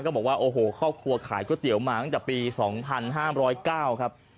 บอกว่าโอ้โหครอบครัวขายก๋วยเตี๋ยวมาตั้งแต่ปี๒๕๐๙ครับ